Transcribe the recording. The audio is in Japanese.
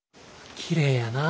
きれいやなぁ。